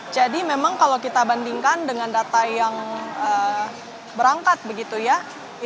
jadi memang kalau kita bandingkan dengan data yang berangkat begitu ya ini lebih banyak yang balik